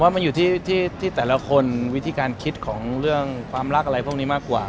มันอยู่ที่แต่ละคนวิธีการคิดของเรื่องความรักอะไรพวกนี้มากกว่า